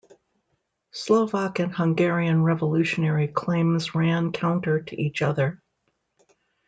Slovak and Hungarian revolutionary claims ran counter to each other.